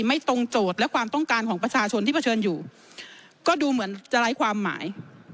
ไม่ตรงโจทย์และความต้องการของประชาชนที่เผชิญอยู่ก็ดูเหมือนจะไร้ความหมาย